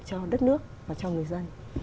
cho đất nước và cho người dân